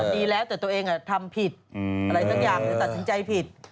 ดีแล้วแต่ตัวเองทำผิดอะไรสักอย่างหรือตัดสินใจผิด